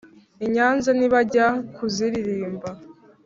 i nyanza nibajya kuziririmba